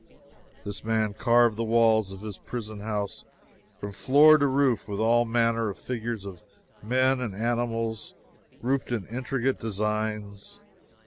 This man carved the walls of his prison house from floor to roof with all manner of figures of men and animals grouped in intricate designs.